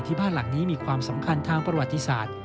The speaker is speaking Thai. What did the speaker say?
บ้านหลังนี้มีความสำคัญทางประวัติศาสตร์